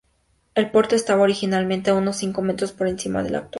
El puerto estaba originalmente a unos cinco metros por encima del actual.